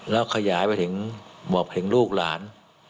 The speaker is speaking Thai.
แล้วขยายไปถึงบอกถึงลูกหลาน